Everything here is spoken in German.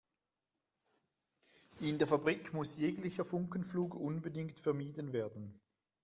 In der Fabrik muss jeglicher Funkenflug unbedingt vermieden werden.